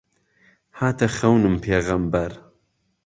هاته خهونم پێغهمبهر